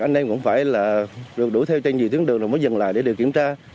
hay là được đuổi theo trên nhiều tiếng đường rồi mới dừng lại để được kiểm tra